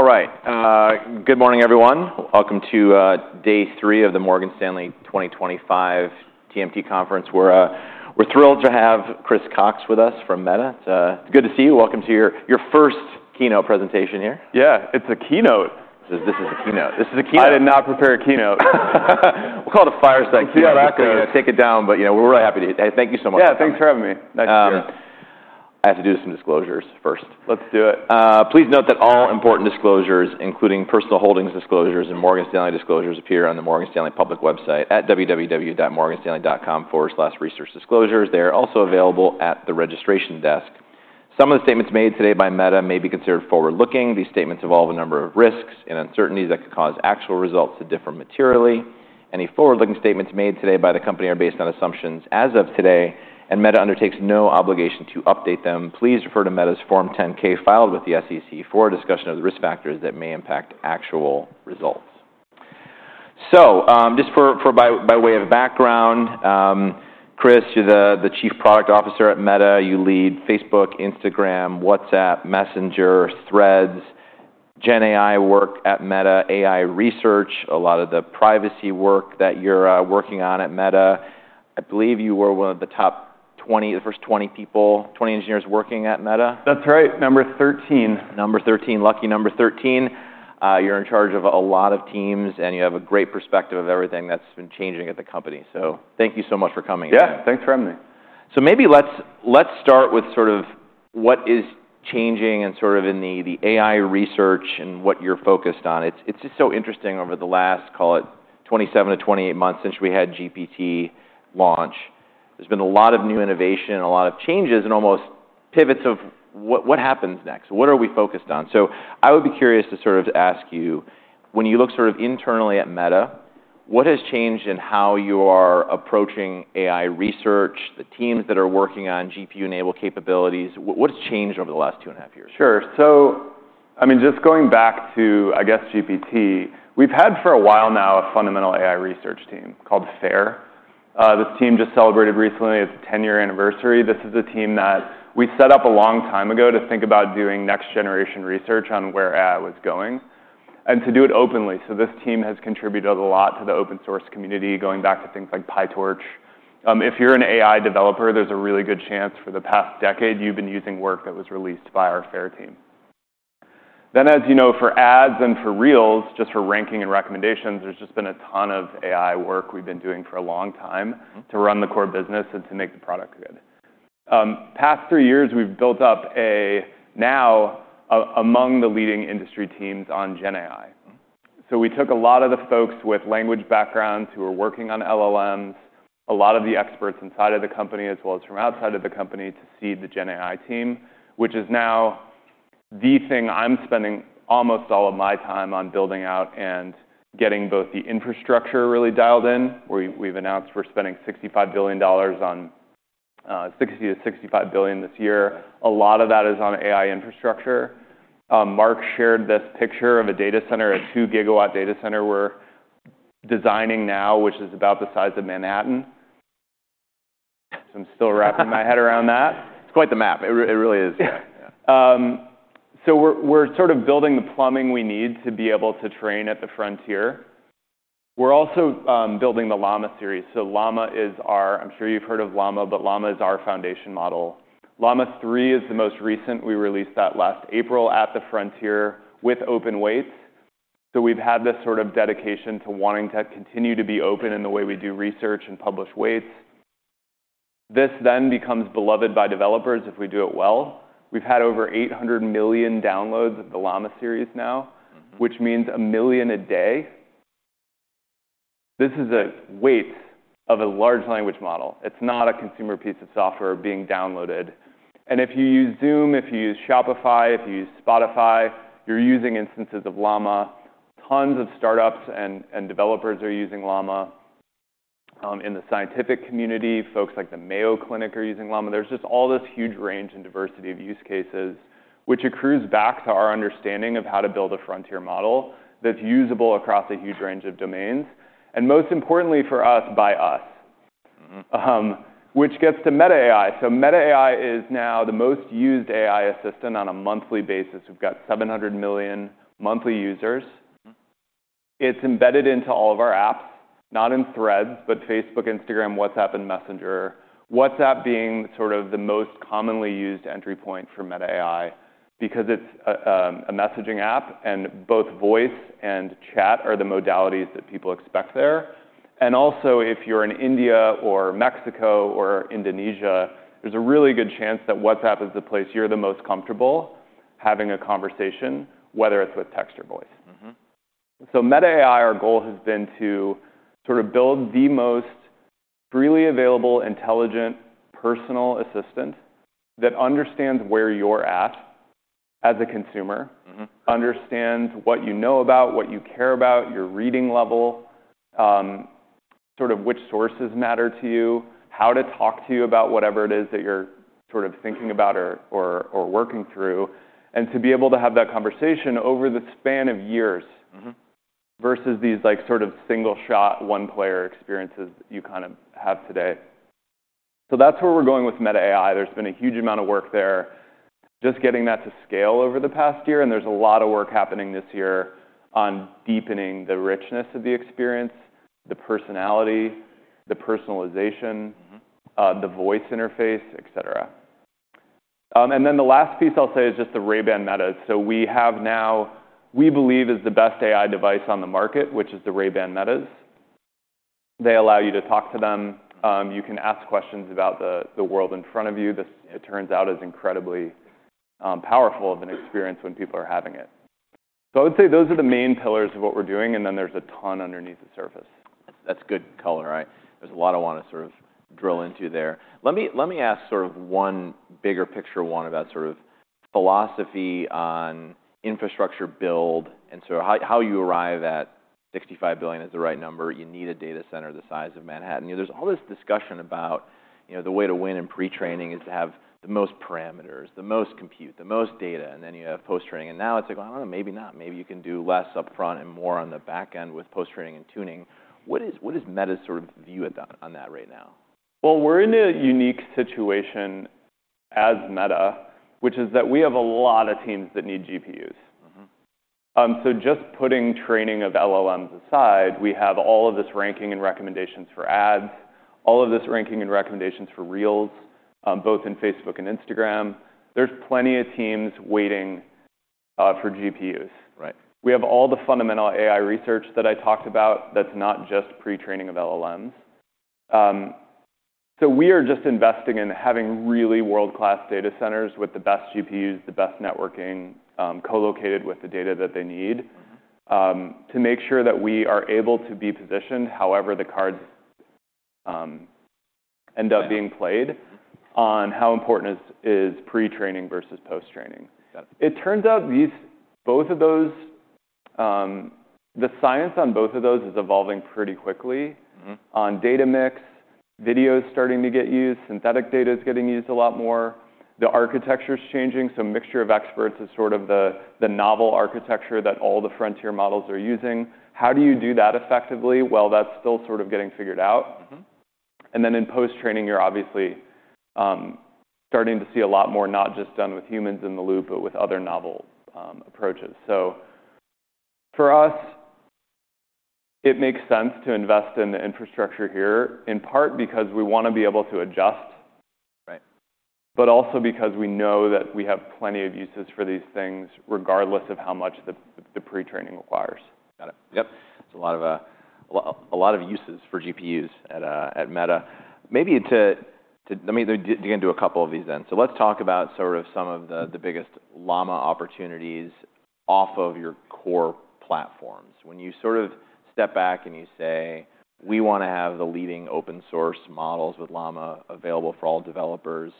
All right. Good morning, everyone. Welcome to day three of the Morgan Stanley 2025 TMT Conference. We're thrilled to have Chris Cox with us from Meta. It's good to see you. Welcome to your first keynote presentation here. Yeah, it's a keynote. This is a keynote. I did not prepare a keynote. We'll call it a fireside keynote. Yeah, exactly. Take it down. But we're really happy to hear it. Thank you so much for coming. Yeah, thanks for having me. Nice to see you. I have to do some disclosures first. Let's do it. Please note that all important disclosures, including personal holdings disclosures and Morgan Stanley disclosures, appear on the Morgan Stanley public website at www.morganstanley.com/researchdisclosures. They are also available at the registration desk. Some of the statements made today by Meta may be considered forward-looking. These statements involve a number of risks and uncertainties that could cause actual results to differ materially. Any forward-looking statements made today by the company are based on assumptions as of today, and Meta undertakes no obligation to update them. Please refer to Meta's Form 10-K filed with the SEC for discussion of the risk factors that may impact actual results. So just by way of background, Chris, you're the Chief Product Officer at Meta. You lead Facebook, Instagram, WhatsApp, Messenger, Threads, GenAI work at Meta, AI research, a lot of the privacy work that you're working on at Meta.I believe you were one of the top 20, the first 20 people, 20 engineers working at Meta. That's right. Number 13. Number 13. Lucky number 13. You're in charge of a lot of teams, and you have a great perspective of everything that's been changing at the company, so thank you so much for coming. Yeah, thanks for having me. So, maybe let's start with sort of what is changing and sort of in the AI research and what you're focused on. It's just so interesting over the last, call it, 27-28 months since we had GPT launch. There's been a lot of new innovation, a lot of changes, and almost pivots of what happens next. What are we focused on? So I would be curious to sort of ask you, when you look sort of internally at Meta, what has changed in how you are approaching AI research, the teams that are working on GPU-enabled capabilities? What's changed over the last two and a half years? Sure, so I mean, just going back to, I guess, GPT, we've had for a while now a fundamental AI research team called FAIR. This team just celebrated recently its 10-year anniversary. This is a team that we set up a long time ago to think about doing next-generation research on where AI was going and to do it openly, so this team has contributed a lot to the open-source community, going back to things like PyTorch. If you're an AI developer, there's a really good chance for the past decade you've been using work that was released by our FAIR team, then, as you know, for ads and for Reels, just for ranking and recommendations, there's just been a ton of AI work we've been doing for a long time to run the core business and to make the product good.past three years, we've built up, and now among the leading industry teams on GenAI. So we took a lot of the folks with language backgrounds who are working on LLMs, a lot of the experts inside of the company, as well as from outside of the company, to seed the GenAI team, which is now the thing I'm spending almost all of my time on building out and getting both the infrastructure really dialed in. We've announced we're spending $60 billion-$65 billion this year. A lot of that is on AI infrastructure. Mark shared this picture of a data center, a 2 GW data center we're designing now, which is about the size of Manhattan. So I'm still wrapping my head around that. It's quite the map. It really is. We're sort of building the plumbing we need to be able to train at the frontier. We're also building the Llama series. Llama is our. I'm sure you've heard of Llama, but Llama is our foundation model. Llama 3 is the most recent. We released that last April at the frontier with open weights. We've had this sort of dedication to wanting to continue to be open in the way we do research and publish weights. This then becomes beloved by developers if we do it well. We've had over 800 million downloads of the Llama series now, which means a million a day. This is a weight of a large language model. It's not a consumer piece of software being downloaded. And if you use Zoom, if you use Shopify, if you use Spotify, you're using instances of Llama.Tons of startups and developers are using Llama in the scientific community. Folks like the Mayo Clinic are using Llama. There's just all this huge range and diversity of use cases, which accrues back to our understanding of how to build a frontier model that's usable across a huge range of domains, and most importantly for us, by us, which gets to Meta AI, so Meta AI is now the most used AI assistant on a monthly basis. We've got 700 million monthly users. It's embedded into all of our apps, not in Threads, but Facebook, Instagram, WhatsApp, and Messenger. WhatsApp being sort of the most commonly used entry point for Meta AI because it's a messaging app, and both voice and chat are the modalities that people expect there. And also, if you're in India or Mexico or Indonesia, there's a really good chance that WhatsApp is the place you're the most comfortable having a conversation, whether it's with text or voice. So Meta AI, our goal has been to sort of build the most freely available, intelligent, personal assistant that understands where you're at as a consumer, understands what you know about, what you care about, your reading level, sort of which sources matter to you, how to talk to you about whatever it is that you're sort of thinking about or working through, and to be able to have that conversation over the span of years versus these sort of single-shot, one-player experiences that you kind of have today. So that's where we're going with Meta AI. There's been a huge amount of work there, just getting that to scale over the past year. And there's a lot of work happening this year on deepening the richness of the experience, the personality, the personalization, the voice interface, et cetera. And then the last piece I'll say is just the Ray-Ban Meta. So we have now, we believe, is the best AI device on the market, which is the Ray-Ban Meta. They allow you to talk to them. You can ask questions about the world in front of you. It turns out as incredibly powerful of an experience when people are having it. So I would say those are the main pillars of what we're doing. And then there's a ton underneath the surface. That's good color. There's a lot I want to sort of drill into there. Let me ask sort of one bigger picture one about sort of philosophy on infrastructure build and sort of how you arrive at $65 billion as the right number. You need a data center the size of Manhattan. There's all this discussion about the way to win in pretraining is to have the most parameters, the most compute, the most data, and then you have post-training. And now it's like, well, maybe not. Maybe you can do less upfront and more on the back end with post-training and tuning. What is Meta's sort of view on that right now? We're in a unique situation as Meta, which is that we have a lot of teams that need GPUs. So just putting training of LLMs aside, we have all of this ranking and recommendations for ads, all of this ranking and recommendations for Reels, both in Facebook and Instagram. There's plenty of teams waiting for GPUs. We have all the fundamental AI research that I talked about that's not just pretraining of LLMs. So we are just investing in having really world-class data centers with the best GPUs, the best networking, co-located with the data that they need to make sure that we are able to be positioned however the cards end up being played on how important is pretraining versus post-training.It turns out both of those, the science on both of those is evolving pretty quickly on data mix, video is starting to get used, synthetic data is getting used a lot more. The architecture is changing. So mixture of experts is sort of the novel architecture that all the frontier models are using. How do you do that effectively? Well, that's still sort of getting figured out. And then in post-training, you're obviously starting to see a lot more not just done with humans in the loop, but with other novel approaches. So for us, it makes sense to invest in the infrastructure here, in part because we want to be able to adjust, but also because we know that we have plenty of uses for these things, regardless of how much the pretraining requires. Got it. Yep. There's a lot of uses for GPUs at Meta. Maybe let me dig into a couple of these then. So let's talk about sort of some of the biggest Llama opportunities off of your core platforms. When you sort of step back and you say, we want to have the leading open-source models with Llama available for all developers,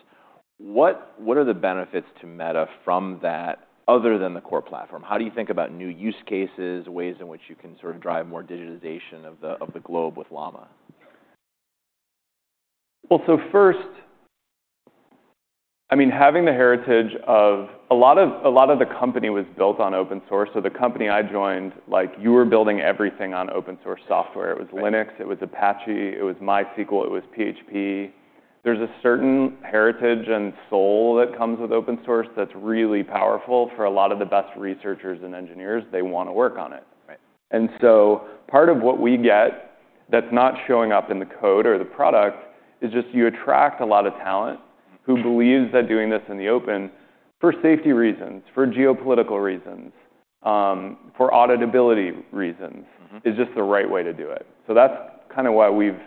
what are the benefits to Meta from that other than the core platform? How do you think about new use cases, ways in which you can sort of drive more digitization of the globe with Llama? Well, so first, I mean, having the heritage of a lot of the company was built on open source, so the company I joined, you were building everything on open-source software. It was Linux, it was Apache, it was MySQL, it was PHP. There's a certain heritage and soul that comes with open source that's really powerful for a lot of the best researchers and engineers. They want to work on it, and so part of what we get that's not showing up in the code or the product is just you attract a lot of talent who believes that doing this in the open for safety reasons, for geopolitical reasons, for auditability reasons is just the right way to do it. So that's kind of why we've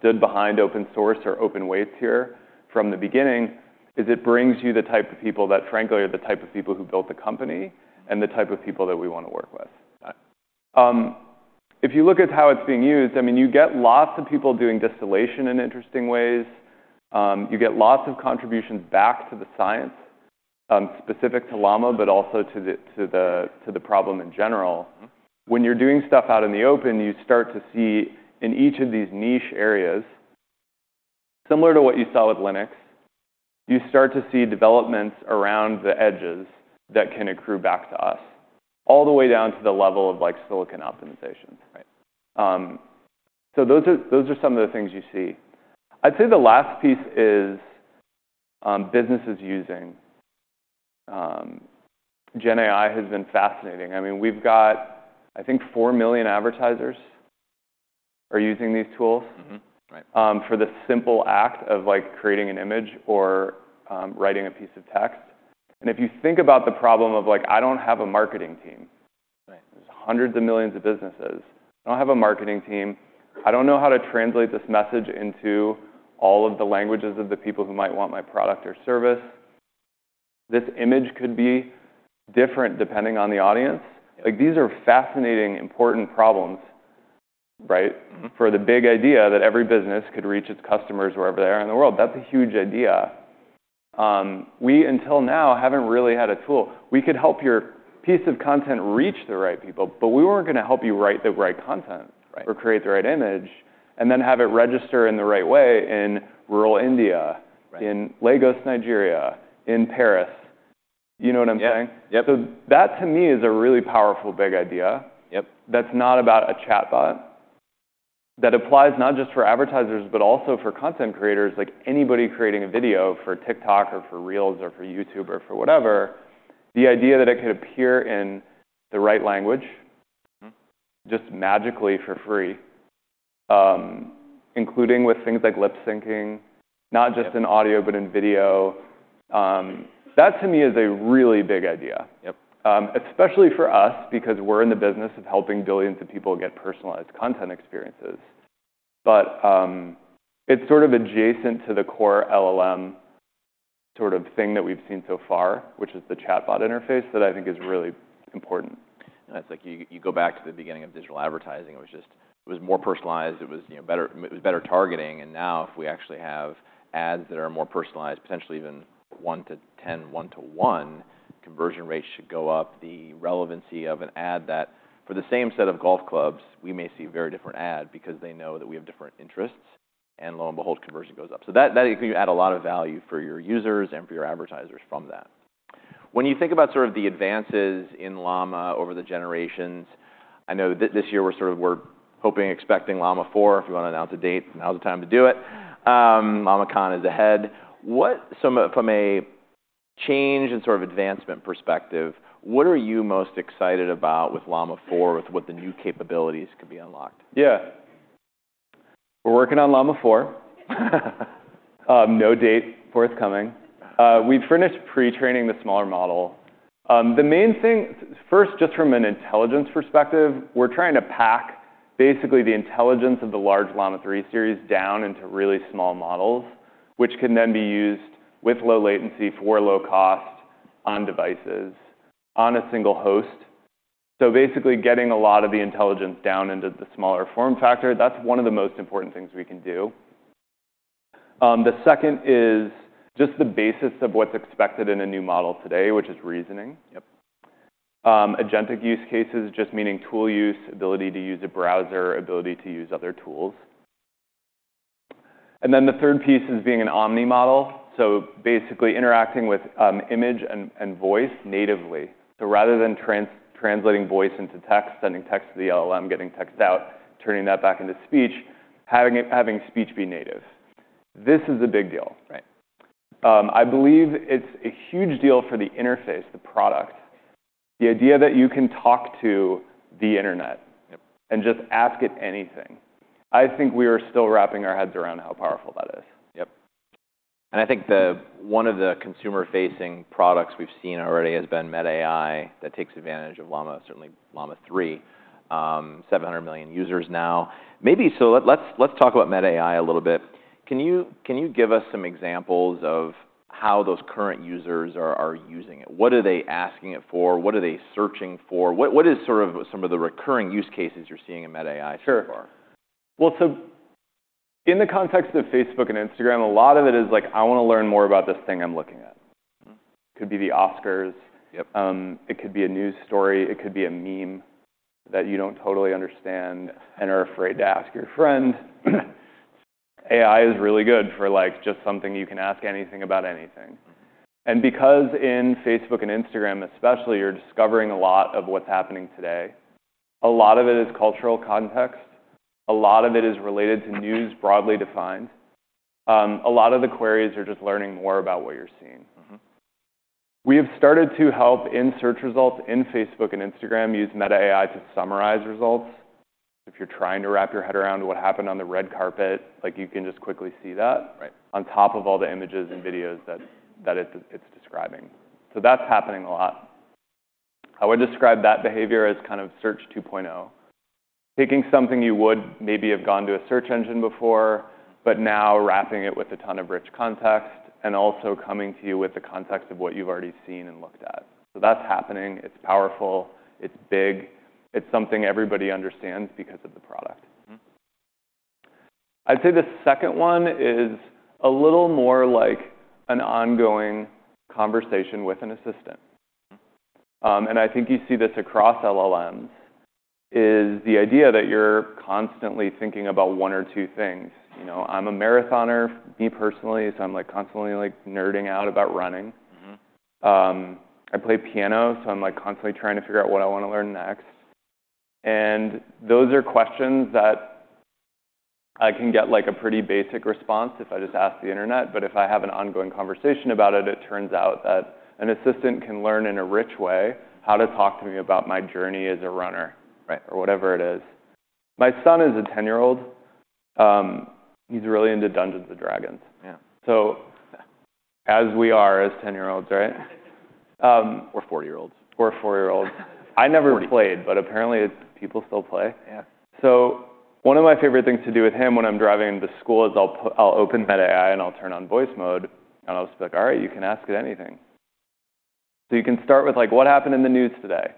stood behind open source or open weights here from the beginning, is it brings you the type of people that, frankly, are the type of people who built the company and the type of people that we want to work with. If you look at how it's being used, I mean, you get lots of people doing distillation in interesting ways. You get lots of contributions back to the science specific to Llama, but also to the problem in general. When you're doing stuff out in the open, you start to see in each of these niche areas, similar to what you saw with Linux, you start to see developments around the edges that can accrue back to us all the way down to the level of silicon optimizations. So those are some of the things you see. I'd say the last piece is businesses using GenAI has been fascinating. I mean, we've got, I think, 4 million advertisers are using these tools for the simple act of creating an image or writing a piece of text. And if you think about the problem of, like, I don't have a marketing team. There's hundreds of millions of businesses. I don't have a marketing team. I don't know how to translate this message into all of the languages of the people who might want my product or service. This image could be different depending on the audience. These are fascinating, important problems for the big idea that every business could reach its customers wherever they are in the world. That's a huge idea. We, until now, haven't really had a tool. We could help your piece of content reach the right people, but we weren't going to help you write the right content or create the right image and then have it register in the right way in rural India, in Lagos, Nigeria, in Paris. You know what I'm saying? So that, to me, is a really powerful big idea that's not about a chatbot that applies not just for advertisers, but also for content creators, like anybody creating a video for TikTok or for Reels or for YouTube or for whatever, the idea that it could appear in the right language just magically for free, including with things like lip syncing, not just in audio, but in video. That, to me, is a really big idea, especially for us, because we're in the business of helping billions of people get personalized content experiences. But it's sort of adjacent to the core LLM sort of thing that we've seen so far, which is the chatbot interface that I think is really important. It's like you go back to the beginning of digital advertising. It was more personalized. It was better targeting. And now, if we actually have ads that are more personalized, potentially even 1-10, 1-1, conversion rates should go up. The relevancy of an ad, that for the same set of golf clubs, we may see a very different ad because they know that we have different interests. And lo and behold, conversion goes up. So that can add a lot of value for your users and for your advertisers from that. When you think about sort of the advances in Llama over the generations, I know this year we're sort of hoping, expecting Llama 4. If we want to announce a date, now's the time to do it. LlamaCon is ahead. From a change and sort of advancement perspective, what are you most excited about with Llama 4, with what the new capabilities could be unlocked? Yeah. We're working on Llama 4. No date forthcoming. We've finished pretraining the smaller model. The main thing, first, just from an intelligence perspective, we're trying to pack basically the intelligence of the large Llama 3 series down into really small models, which can then be used with low latency for low cost on devices on a single host. So basically getting a lot of the intelligence down into the smaller form factor, that's one of the most important things we can do. The second is just the basis of what's expected in a new model today, which is reasoning, agentic use cases, just meaning tool use, ability to use a browser, ability to use other tools. And then the third piece is being an omni model. So basically interacting with image and voice natively. So rather than translating voice into text, sending text to the LLM, getting text out, turning that back into speech, having speech be native. This is a big deal. I believe it's a huge deal for the interface, the product, the idea that you can talk to the internet and just ask it anything. I think we are still wrapping our heads around how powerful that is. Yep, and I think one of the consumer-facing products we've seen already has been Meta AI that takes advantage of Llama, certainly Llama 3, 700 million users now, so let's talk about Meta AI a little bit. Can you give us some examples of how those current users are using it? What are they asking it for? What are they searching for? What is sort of some of the recurring use cases you're seeing in Meta AI so far? Sure. Well, so in the context of Facebook and Instagram, a lot of it is like, I want to learn more about this thing I'm looking at. It could be the Oscars. It could be a news story. It could be a meme that you don't totally understand and are afraid to ask your friend. AI is really good for just something you can ask anything about anything. And because in Facebook and Instagram, especially, you're discovering a lot of what's happening today, a lot of it is cultural context. A lot of it is related to news broadly defined. A lot of the queries are just learning more about what you're seeing. We have started to help in search results in Facebook and Instagram use Meta AI to summarize results. If you're trying to wrap your head around what happened on the red carpet, you can just quickly see that on top of all the images and videos that it's describing. So that's happening a lot. I would describe that behavior as kind of search 2.0, taking something you would maybe have gone to a search engine before, but now wrapping it with a ton of rich context and also coming to you with the context of what you've already seen and looked at. So that's happening. It's powerful. It's big. It's something everybody understands because of the product. I'd say the second one is a little more like an ongoing conversation with an assistant. And I think you see this across LLMs is the idea that you're constantly thinking about one or two things. I'm a marathoner, me personally, so I'm constantly nerding out about running.I play piano, so I'm constantly trying to figure out what I want to learn next, and those are questions that I can get a pretty basic response if I just ask the internet, but if I have an ongoing conversation about it, it turns out that an assistant can learn in a rich way how to talk to me about my journey as a runner or whatever it is. My son is a 10-year-old. He's really into Dungeons & Dragons, so as we are as 10-year-olds, right? Or 4-year-olds. I never played, but apparently people still play. So one of my favorite things to do with him when I'm driving him to school is I'll open Meta AI and I'll turn on voice mode, and I'll just be like, all right, you can ask it anything. So you can start with, like, what happened in the news today?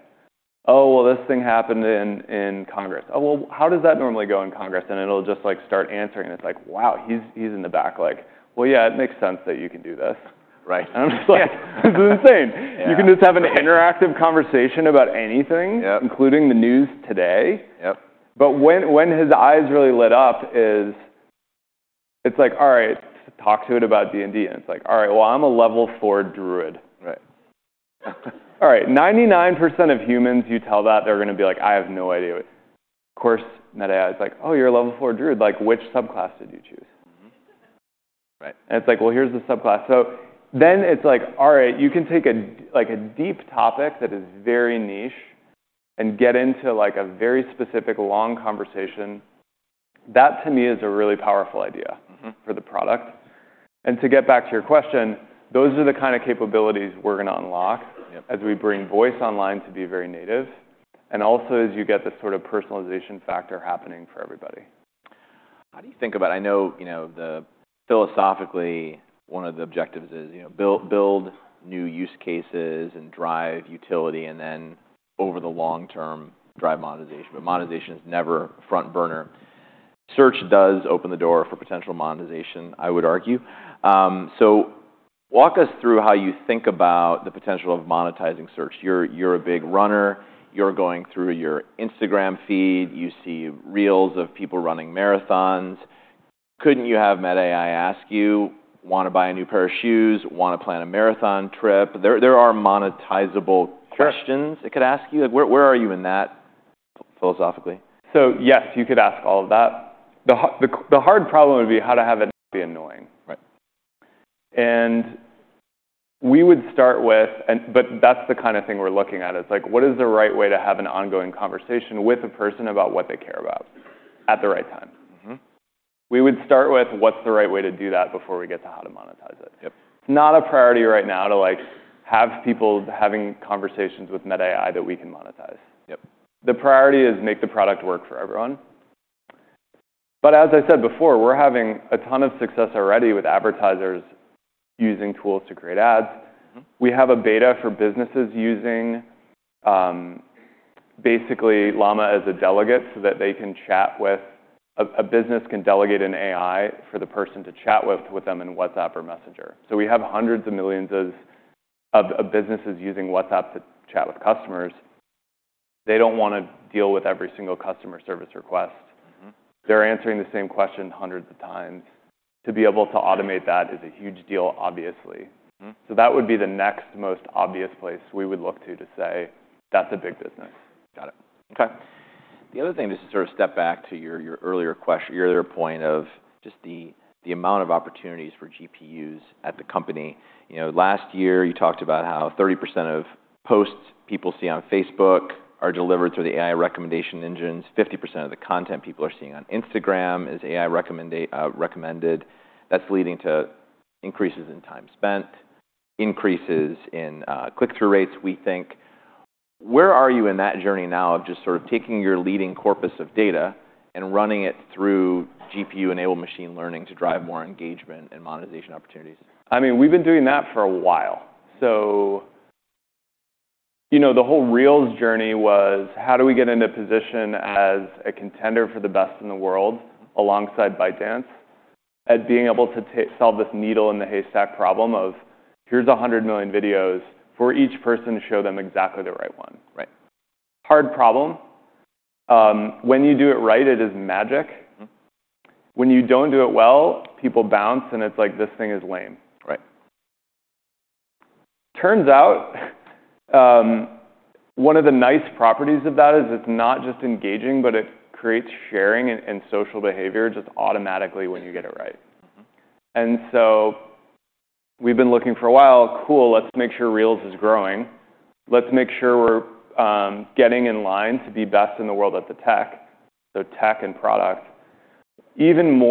Oh, well, this thing happened in Congress. Oh, well, how does that normally go in Congress? And it'll just start answering. And it's like, wow, he's in the back. Like, well, yeah, it makes sense that you can do this. And I'm just like, this is insane. You can just have an interactive conversation about anything, including the news today. But when his eyes really lit up, it's like, all right, talk to it about D&D. And it's like, all right, well, I'm a level 4 druid. All right, 99% of humans you tell that, they're going to be like, I have no idea. Of course, Meta AI is like, oh, you're a level 4 druid. Like, which subclass did you choose? And it's like, well, here's the subclass. So then it's like, all right, you can take a deep topic that is very niche and get into a very specific long conversation. That, to me, is a really powerful idea for the product. And to get back to your question, those are the kind of capabilities we're going to unlock as we bring voice online to be very native, and also as you get this sort of personalization factor happening for everybody. How do you think about it? I know philosophically, one of the objectives is build new use cases and drive utility, and then over the long term, drive monetization. But monetization is never front burner. Search does open the door for potential monetization, I would argue. So walk us through how you think about the potential of monetizing search. You're a big runner. You're going through your Instagram feed. You see Reels of people running marathons. Couldn't you have Meta AI ask you, want to buy a new pair of shoes, want to plan a marathon trip? There are monetizable questions it could ask you. Where are you in that philosophically? Yes, you could ask all of that. The hard problem would be how to have it not be annoying. We would start with, but that's the kind of thing we're looking at. It's like, what is the right way to have an ongoing conversation with a person about what they care about at the right time? We would start with what's the right way to do that before we get to how to monetize it. It's not a priority right now to have people having conversations with Meta AI that we can monetize. The priority is make the product work for everyone, but as I said before, we're having a ton of success already with advertisers using tools to create ads. We have a beta for businesses using basically Llama as a delegate so that they can chat with a business, can delegate an AI for the person to chat with them in WhatsApp or Messenger. So we have hundreds of millions of businesses using WhatsApp to chat with customers. They don't want to deal with every single customer service request. They're answering the same question hundreds of times. To be able to automate that is a huge deal, obviously. So that would be the next most obvious place we would look to say that's a big business. Got it. Okay. The other thing, just to sort of step back to your earlier point of just the amount of opportunities for GPUs at the company. Last year, you talked about how 30% of posts people see on Facebook are delivered through the AI recommendation engines. 50% of the content people are seeing on Instagram is AI recommended. That's leading to increases in time spent, increases in click-through rates, we think. Where are you in that journey now of just sort of taking your leading corpus of data and running it through GPU-enabled machine learning to drive more engagement and monetization opportunities? I mean, we've been doing that for a while. So the whole Reels journey was how do we get into position as a contender for the best in the world alongside ByteDance at being able to solve this needle in the haystack problem of here's 100 million videos for each person to show them exactly the right one. Hard problem. When you do it right, it is magic. When you don't do it well, people bounce, and it's like this thing is lame. Turns out one of the nice properties of that is it's not just engaging, but it creates sharing and social behavior just automatically when you get it right. And so we've been looking for a while. Cool, let's make sure Reels is growing. Let's make sure we're getting in line to be best in the world at the tech. So tech and product. Even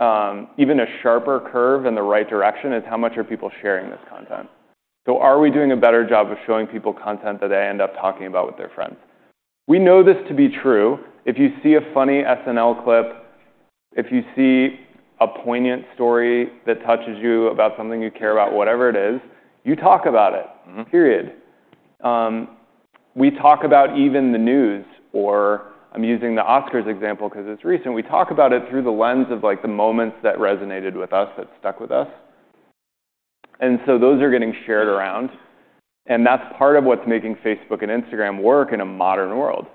a sharper curve in the right direction is how much are people sharing this content? So are we doing a better job of showing people content that they end up talking about with their friends? We know this to be true. If you see a funny SNL clip, if you see a poignant story that touches you about something you care about, whatever it is, you talk about it, period. We talk about even the news, or I'm using the Oscars example because it's recent. We talk about it through the lens of the moments that resonated with us, that stuck with us. And so those are getting shared around. And that's part of what's making Facebook and Instagram work in a modern world,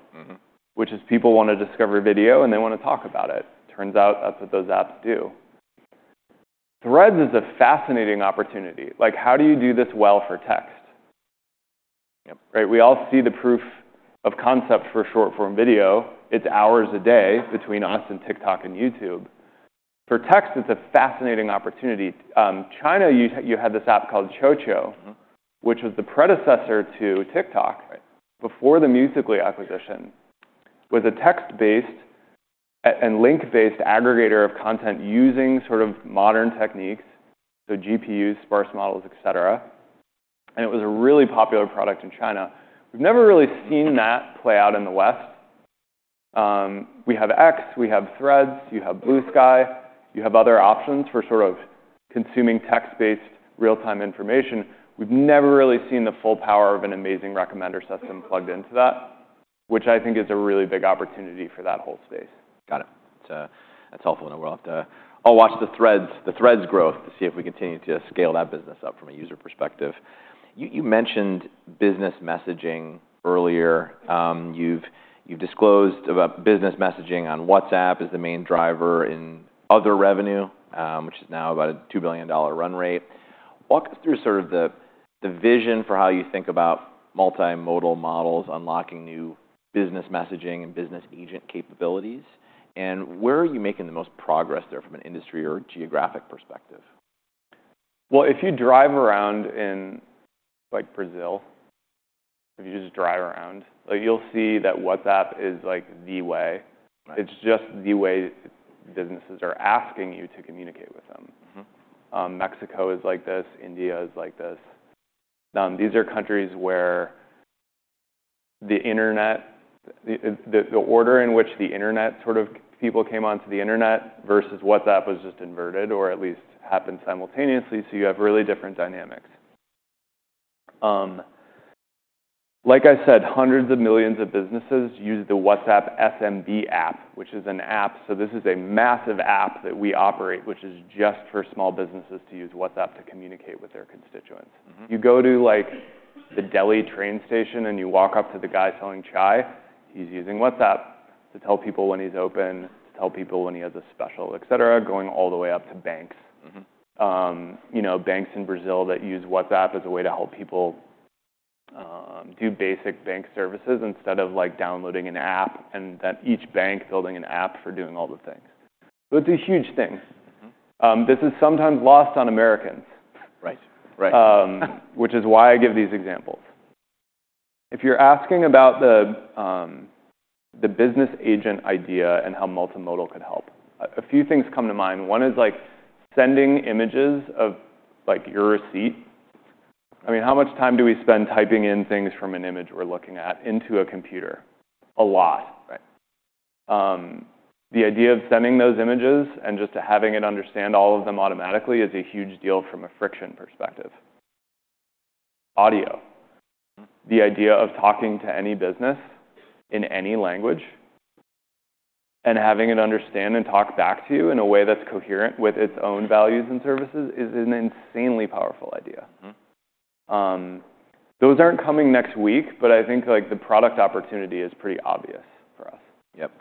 which is people want to discover video, and they want to talk about it. Turns out that's what those apps do. Threads is a fascinating opportunity. How do you do this well for text? We all see the proof of concept for short-form video. It's hours a day between us and TikTok and YouTube. For text, it's a fascinating opportunity. China, you had this app called QiuQiu, which was the predecessor to TikTok before the Musical.ly acquisition, was a text-based and link-based aggregator of content using sort of modern techniques, so GPUs, sparse models, et cetera. And it was a really popular product in China. We've never really seen that play out in the West. We have X. We have Threads. You have Bluesky. You have other options for sort of consuming text-based real-time information. We've never really seen the full power of an amazing recommender system plugged into that, which I think is a really big opportunity for that whole space. Got it. That's helpful. And we'll have to all watch the Threads growth to see if we continue to scale that business up from a user perspective. You mentioned business messaging earlier. You've disclosed business messaging on WhatsApp is the main driver in other revenue, which is now about a $2 billion run rate. Walk us through sort of the vision for how you think about multimodal models unlocking new business messaging and business agent capabilities. And where are you making the most progress there from an industry or geographic perspective? If you drive around in Brazil, if you just drive around, you'll see that WhatsApp is the way. It's just the way businesses are asking you to communicate with them. Mexico is like this. India is like this. These are countries where the order in which people came onto the internet versus WhatsApp was just inverted or at least happened simultaneously. You have really different dynamics. Like I said, hundreds of millions of businesses use the WhatsApp SMB app, which is an app. So this is a massive app that we operate, which is just for small businesses to use WhatsApp to communicate with their constituents. You go to the Delhi train station and you walk up to the guy selling chai, he's using WhatsApp to tell people when he's open, to tell people when he has a special, et cetera, going all the way up to banks. Banks in Brazil that use WhatsApp as a way to help people do basic bank services instead of downloading an app and then each bank building an app for doing all the things. So it's a huge thing. This is sometimes lost on Americans, which is why I give these examples. If you're asking about the business agent idea and how multimodal could help, a few things come to mind. One is sending images of your receipt. I mean, how much time do we spend typing in things from an image we're looking at into a computer? A lot. The idea of sending those images and just having it understand all of them automatically is a huge deal from a friction perspective. Audio. The idea of talking to any business in any language and having it understand and talk back to you in a way that's coherent with its own values and services is an insanely powerful idea. Those aren't coming next week, but I think the product opportunity is pretty obvious for us. Yep.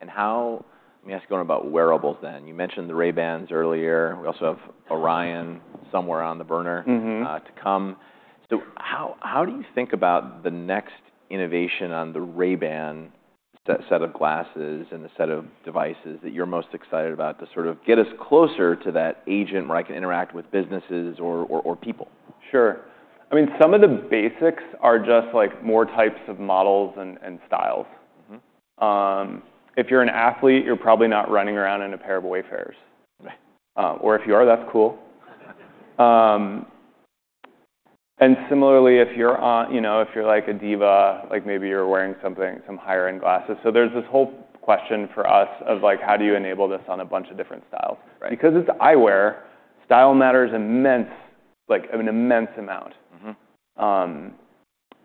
And let me ask you about wearables then. You mentioned the Ray-Bans earlier. We also have Orion somewhere on the burner to come. So how do you think about the next innovation on the Ray-Ban set of glasses and the set of devices that you're most excited about to sort of get us closer to that agent where I can interact with businesses or people? Sure. I mean, some of the basics are just more types of models and styles. If you're an athlete, you're probably not running around in a pair of Wayfarers. Or if you are, that's cool, and similarly, if you're like a diva, maybe you're wearing some higher-end glasses, so there's this whole question for us of how do you enable this on a bunch of different styles. Because it's eyewear, style matters an immense amount,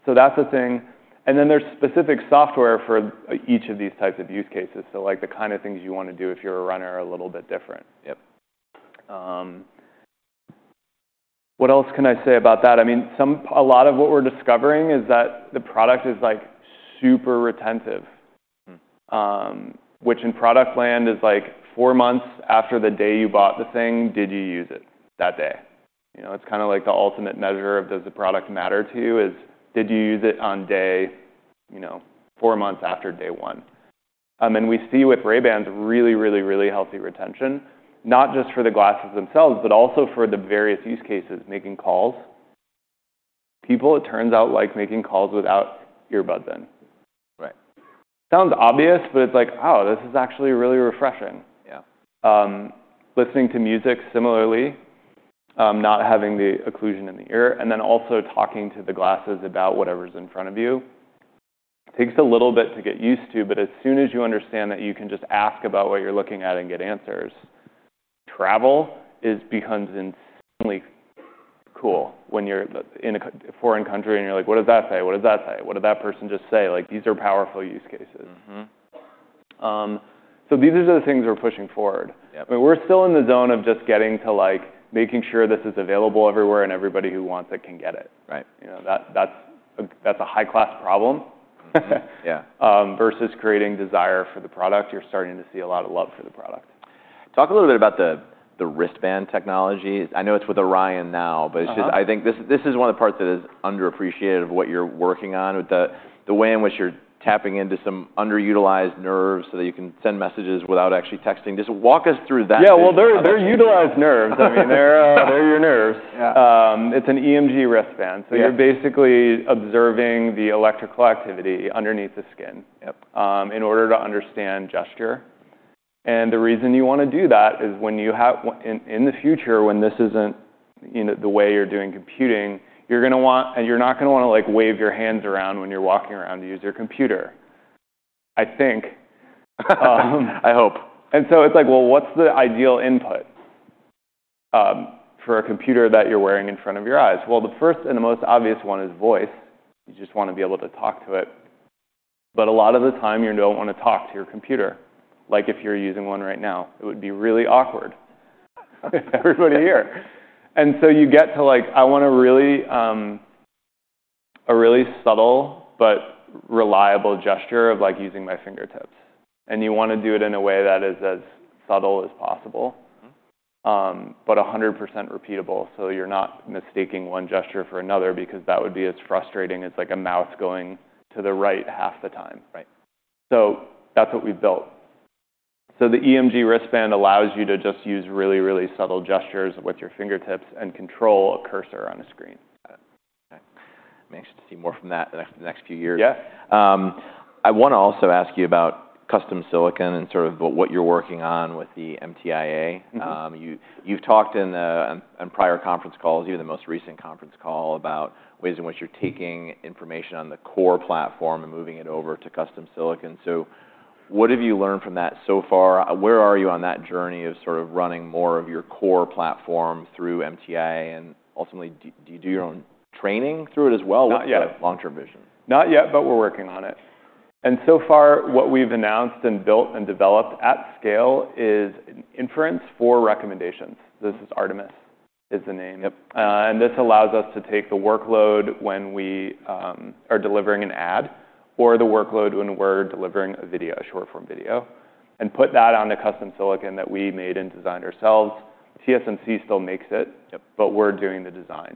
so that's a thing, and then there's specific software for each of these types of use cases, so the kind of things you want to do if you're a runner are a little bit different. What else can I say about that?I mean, a lot of what we're discovering is that the product is super retentive, which in product land is like four months after the day you bought the thing, did you use it that day? It's kind of like the ultimate measure of does the product matter to you is did you use it on day four months after day one? And we see with Ray-Bans really, really, really healthy retention, not just for the glasses themselves, but also for the various use cases making calls. People, it turns out, like making calls without earbuds in. Sounds obvious, but it's like, oh, this is actually really refreshing. Listening to music similarly, not having the occlusion in the ear, and then also talking to the glasses about whatever's in front of you. Takes a little bit to get used to, but as soon as you understand that you can just ask about what you're looking at and get answers, travel becomes insanely cool when you're in a foreign country and you're like, what does that say? What does that say? What did that person just say? These are powerful use cases. So these are the things we're pushing forward. We're still in the zone of just getting to making sure this is available everywhere and everybody who wants it can get it. That's a high-class problem. Versus creating desire for the product, you're starting to see a lot of love for the product. Talk a little bit about the wristband technology. I know it's with Orion now, but I think this is one of the parts that is underappreciated of what you're working on, the way in which you're tapping into some underutilized nerves so that you can send messages without actually texting. Just walk us through that. Yeah, well, they utilize nerves. I mean, they're your nerves. It's an EMG wristband. So you're basically observing the electrical activity underneath the skin in order to understand gesture. And the reason you want to do that is when you have in the future, when this isn't the way you're doing computing, you're going to want and you're not going to want to wave your hands around when you're walking around to use your computer, I think. I hope. And so it's like, well, what's the ideal input for a computer that you're wearing in front of your eyes? Well, the first and the most obvious one is voice. You just want to be able to talk to it. But a lot of the time, you don't want to talk to your computer. Like if you're using one right now, it would be really awkward. Everybody here. And so you get to like, I want a really subtle but reliable gesture of using my fingertips. And you want to do it in a way that is as subtle as possible, but 100% repeatable so you're not mistaking one gesture for another because that would be as frustrating as a mouse going to the right half the time. So that's what we've built. So the EMG wristband allows you to just use really, really subtle gestures with your fingertips and control a cursor on a screen. Got it. Okay. Make sure to see more from that in the next few years. Yeah. I want to also ask you about custom silicon and sort of what you're working on with the MTIA. You've talked in prior conference calls, even the most recent conference call, about ways in which you're taking information on the core platform and moving it over to custom silicon. So what have you learned from that so far? Where are you on that journey of sort of running more of your core platform through MTIA? And ultimately, do you do your own training through it as well? What's the long-term vision? Not yet, but we're working on it. And so far, what we've announced and built and developed at scale is inference for recommendations. This is Artemis, the name, and this allows us to take the workload when we are delivering an ad or the workload when we're delivering a short-form video and put that on the custom silicon that we made and designed ourselves. TSMC still makes it, but we're doing the design.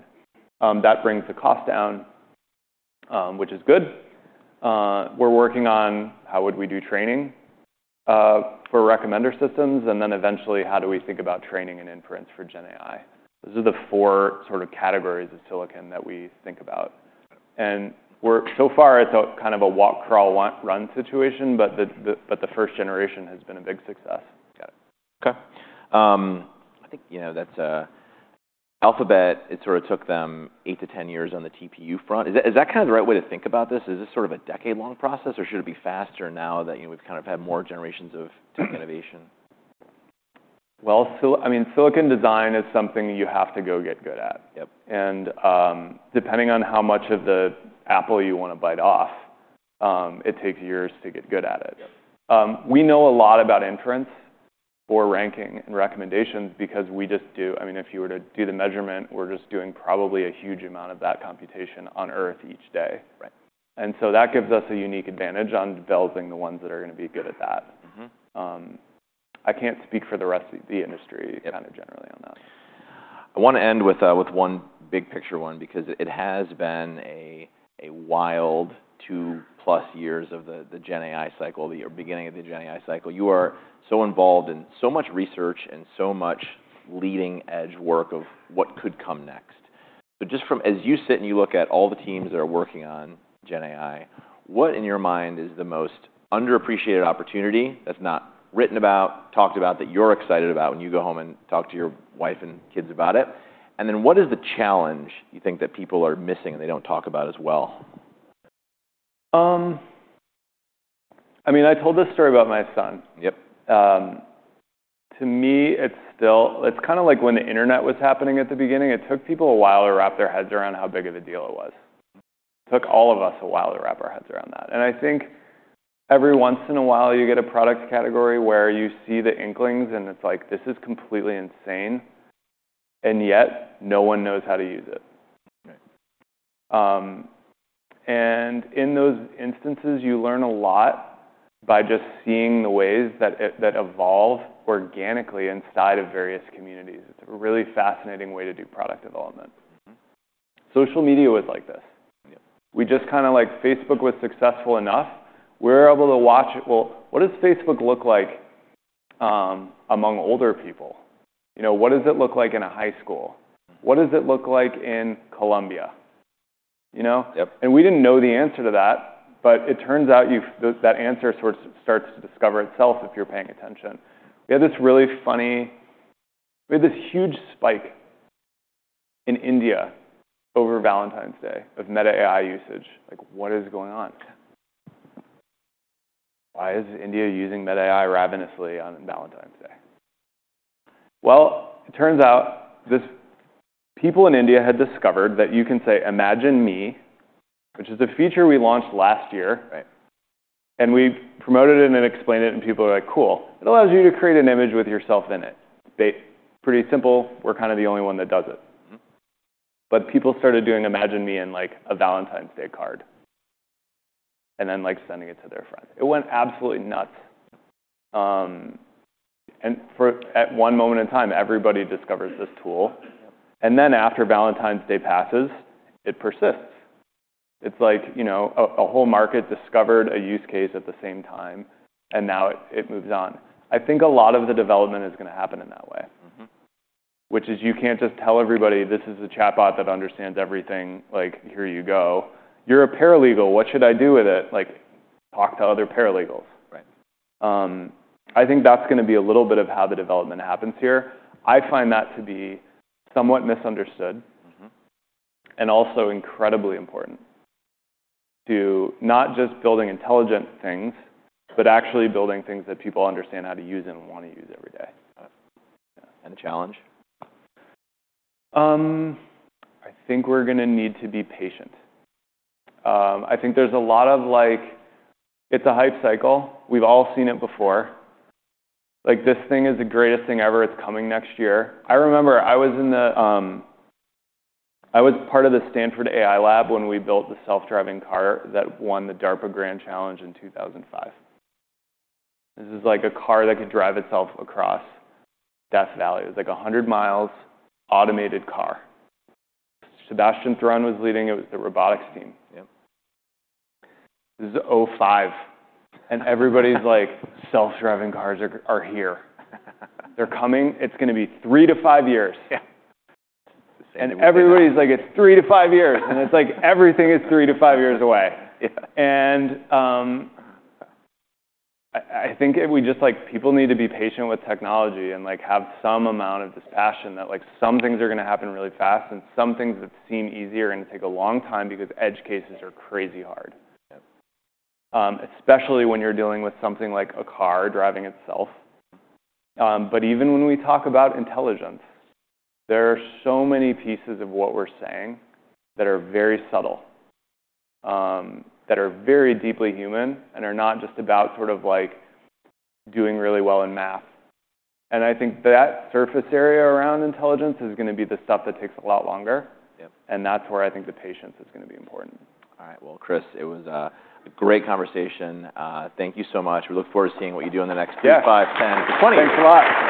That brings the cost down, which is good. We're working on how would we do training for recommender systems, and then eventually, how do we think about training and inference for GenAI? Those are the four sort of categories of silicon that we think about, and so far, it's kind of a walk, crawl, run situation, but the first generation has been a big success. Got it. Okay. I think that's Alphabet. It sort of took them 8-10 years on the TPU front. Is that kind of the right way to think about this? Is this sort of a decade-long process, or should it be faster now that we've kind of had more generations of tech innovation? I mean, silicon design is something you have to go get good at. Depending on how much of the apple you want to bite off, it takes years to get good at it. We know a lot about inference or ranking and recommendations because we just do. I mean, if you were to do the measurement, we're just doing probably a huge amount of that computation on Earth each day. So that gives us a unique advantage on developing the ones that are going to be good at that. I can't speak for the rest of the industry kind of generally on that. I want to end with one big picture one because it has been a wild two-plus years of the GenAI cycle, the beginning of the GenAI cycle. You are so involved in so much research and so much leading-edge work of what could come next. But just from as you sit and you look at all the teams that are working on GenAI, what in your mind is the most underappreciated opportunity that's not written about, talked about, that you're excited about when you go home and talk to your wife and kids about it? And then what is the challenge you think that people are missing and they don't talk about as well? I mean, I told this story about my son. To me, it's kind of like when the internet was happening at the beginning. It took people a while to wrap their heads around how big of a deal it was. It took all of us a while to wrap our heads around that. And I think every once in a while, you get a product category where you see the inklings and it's like, this is completely insane. And yet, no one knows how to use it. And in those instances, you learn a lot by just seeing the ways that evolve organically inside of various communities. It's a really fascinating way to do product development. Social media was like this. We just kind of like Facebook was successful enough. We're able to watch, well, what does Facebook look like among older people? What does it look like in a high school? What does it look like in Colombia, and we didn't know the answer to that, but it turns out that answer sort of starts to discover itself if you're paying attention. We had this really funny, we had this huge spike in India over Valentine's Day of Meta AI usage. What is going on? Why is India using Meta AI ravenously on Valentine's Day? Well, it turns out people in India had discovered that you can say, Imagine Me, which is a feature we launched last year. And we promoted it and explained it, and people were like, cool. It allows you to create an image with yourself in it. Pretty simple. We're kind of the only one that does it, but people started doing Imagine Me in a Valentine's Day card and then sending it to their friends. It went absolutely nuts, and at one moment in time, everybody discovers this tool, and then after Valentine's Day passes, it persists. It's like a whole market discovered a use case at the same time, and now it moves on. I think a lot of the development is going to happen in that way, which is you can't just tell everybody, this is a chatbot that understands everything. Here you go. You're a paralegal. What should I do with it? Talk to other paralegals. I think that's going to be a little bit of how the development happens here. I find that to be somewhat misunderstood and also incredibly important to not just building intelligent things, but actually building things that people understand how to use and want to use every day. A challenge? I think we're going to need to be patient. I think there's a lot of it. It's a hype cycle. We've all seen it before. This thing is the greatest thing ever. It's coming next year. I remember I was part of the Stanford AI Lab when we built the self-driving car that won the DARPA Grand Challenge in 2005. This is like a car that could drive itself across Death Valley. It was like 100 miles automated car. Sebastian Thrun was leading. It was the robotics team. This is 2005, and everybody's like, self-driving cars are here. They're coming. It's going to be 3-5 years, and everybody's like, it's three to five years. It's like everything is 3-5 years away.I think we just like people need to be patient with technology and have some amount of this passion that some things are going to happen really fast and some things that seem easier are going to take a long time because edge cases are crazy hard, especially when you're dealing with something like a car driving itself. Even when we talk about intelligence, there are so many pieces of what we're saying that are very subtle, that are very deeply human, and are not just about sort of like doing really well in math. I think that surface area around intelligence is going to be the stuff that takes a lot longer. That's where I think the patience is going to be important. All right. Well, Chris, it was a great conversation. Thank you so much. We look forward to seeing what you do on the next two, five, 10. Thanks a lot.